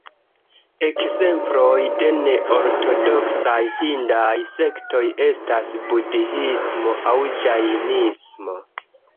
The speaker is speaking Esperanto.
Ekzemploj de ne-ortodoksaj hindaj sektoj estas Budhismo aŭ Ĝajnismo.